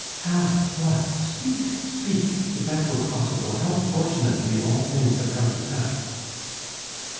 "How? What? Speak! Speak! If that were possible, how fortunately all things have come to pass!"